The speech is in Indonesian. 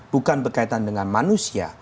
bukan berkaitan dengan manusia